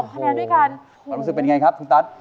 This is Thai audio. คุณตัดความรู้สึกเป็นไงครับ